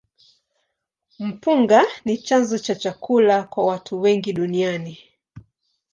Mpunga ni chanzo cha chakula kwa watu wengi duniani.